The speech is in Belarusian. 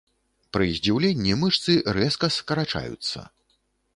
Пры здзіўленні мышцы рэзка скарачаюцца.